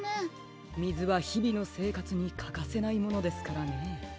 みずはひびのせいかつにかかせないものですからね。